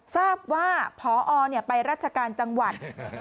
ทราบว่าพอไปราชการจังหวัด